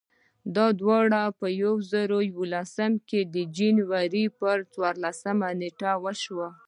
دا د دوه زره یولسم کال د جنورۍ پر څوارلسمه نېټه وشوه.